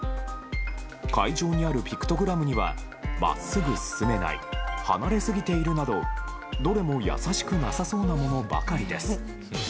会場にあるピクトグラムには真っすぐ進めない離れすぎているなどどれもやさしくなさそうなものばかりです。